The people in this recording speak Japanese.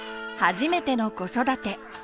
初めての子育て。